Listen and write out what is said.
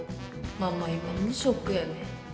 ママ今無職やねん。